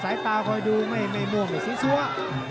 สายตาคอยดูไม่ม่วงไม่ซีซัวร์